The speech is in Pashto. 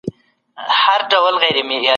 ځواب بېطرفه نه و ورکړل شوی.